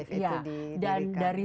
iya itu di dirikan